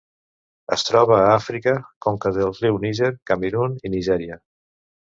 Es troba a Àfrica: conca del riu Níger, Camerun i Nigèria.